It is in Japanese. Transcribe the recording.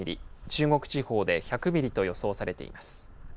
中国地方で１００ミリと予想されています。